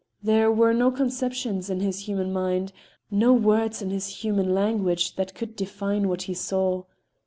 There were no conceptions in his human mind, no words in his human language that could define what he saw.